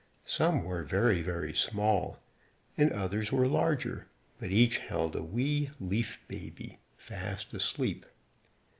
Some were very, very small, and others were larger, but each held a wee leaf baby, fast asleep.